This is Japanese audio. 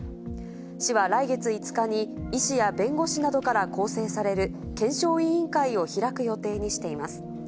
市は来月５日に、医師や弁護士などから構成される検証委員会を開く予定にしています。